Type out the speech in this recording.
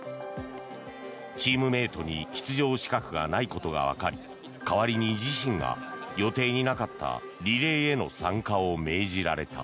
チームメートに出場資格がないことがわかり代わりに自身が予定になかったリレーへの参加を命じられた。